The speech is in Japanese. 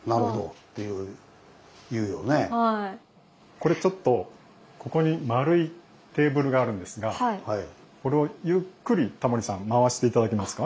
これちょっとここに丸いテーブルがあるんですがこれをゆっくりタモリさん回して頂けますか。